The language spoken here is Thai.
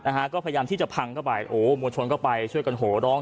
นะฮะก็พยายามที่จะพังเข้าไปโอ้มวลชนก็ไปช่วยกันโหร้อง